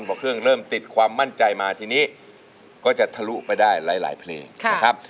พอเครื่องเริ่มติดความมั่นใจมาทีนี้ก็จะทะลุไปได้หลายเพลงนะครับ